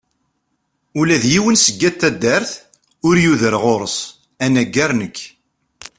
Ula d yiwen seg at taddart ur yuder ɣur-s, anagar nekk.